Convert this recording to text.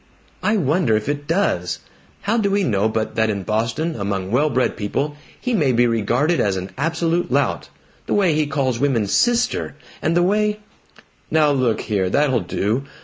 "I wonder if it does? How do we know but that in Boston, among well bred people, he may be regarded as an absolute lout? The way he calls women 'Sister,' and the way " "Now look here! That'll do!